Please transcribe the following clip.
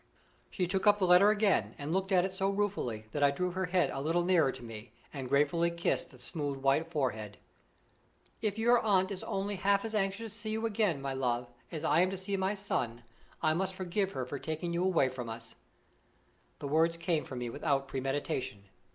She took up the letter again, and looked at it so ruefully that I drew her head a little nearer to me, and gratefully kissed the smooth white forehead. "If your aunt is only half as anxious to see you again, my love, as I am to see my son, I must forgive her for taking you away from us." The words came from me without premeditation.